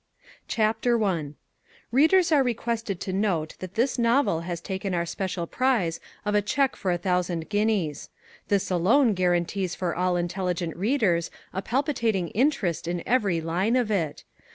CHAPTER I Readers are requested to note that this novel has taken our special prize of a cheque for a thousand guineas. This alone guarantees for all intelligent readers a palpitating interest in every line of it.